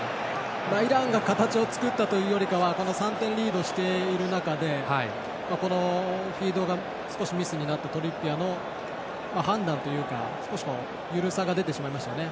イランが形を作ったというよりかは３点リードしている中でフィードが少しミスになったトリッピアーの判断に緩さが出てしまいましたね。